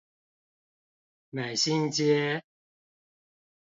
美興街